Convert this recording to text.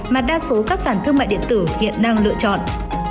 mà đa số các sản thương mại điện tử hiện đang lựa chọn